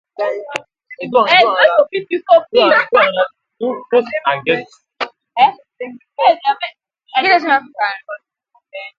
Kedụzị ihe ji ndị Igbo ime nke ha?